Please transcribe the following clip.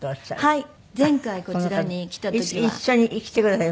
はい。